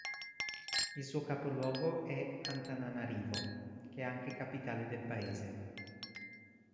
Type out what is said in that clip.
Il suo capoluogo è Antananarivo, che è anche capitale del paese.